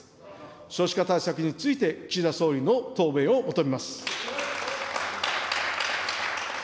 少子化対策について岸田総理の答弁を求めます。